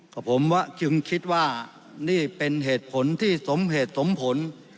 กับผมว่าจึงคิดว่านี่เป็นเหตุผลที่สมเหตุสมผล